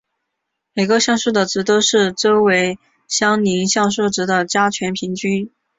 每个像素的值都是周围相邻像素值的加权平均。